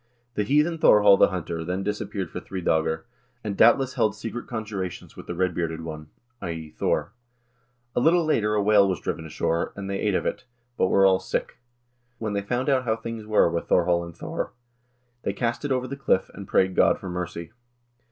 The heathen Thorhall the Hunter then disappeared for three dcegr, and doubtless held secret conjurations with the red bearded one (i.e. Thor) . A little later a whale was driven ashore, and they ate of it, but were all sick. When they found out how things were with Thorhall and Thor, "they cast it over the cliff, and prayed God for mercy.